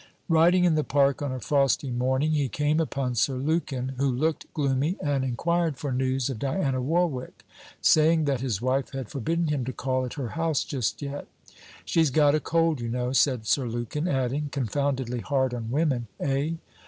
Riding in the park on a frosty morning, he came upon Sir Lukin, who looked gloomy and inquired for news of Diana Warwick, saying that his wife had forbidden him to call at her house just yet. 'She's got a cold, you know,' said Sir Lukin; adding, 'confoundedly hard on women! eh?